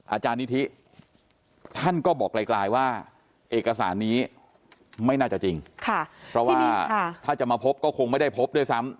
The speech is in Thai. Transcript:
อาจารย์นิธิท่านก็บอกไกลว่าเอกสารนี้ไม่น่าจะจริงเพราะว่าถ้าจะมาพบก็คงไม่ได้พบด้วยซ้ำ